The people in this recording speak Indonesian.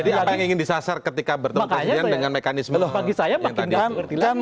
jadi apa yang ingin disasar ketika bertemu presiden dengan mekanisme yang tadi